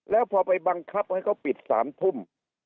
แล้วพอไปบังคับให้เขาปิด๓ทุ่ม